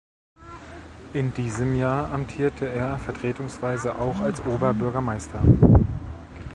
In diesem Jahr amtierte er vertretungsweise auch als Oberbürgermeister.